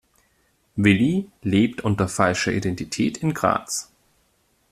Willi lebt unter falscher Identität in Graz.